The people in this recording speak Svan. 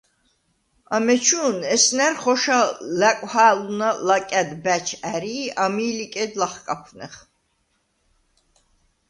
ამეჩუ̄ნ ესნა̈რ ხოშა ლა̈კუ̂ჰა̄ლუ̂ნა ლაკა̈დ ბა̈ჩ ა̈რი ი ამი̄ ლიკედ ლახკაფუ̂ნეხ.